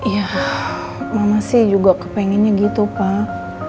ya mama sih juga kepengennya gitu pak